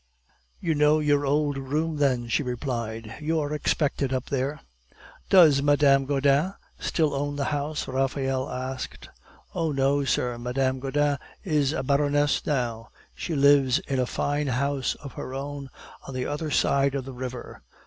"You know your old room then," she replied; "you are expected up there." "Does Mme. Gaudin still own the house?" Raphael asked. "Oh no, sir. Mme. Gaudin is a baroness now. She lives in a fine house of her own on the other side of the river.